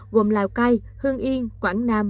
gồm lào cai hương yên quảng nam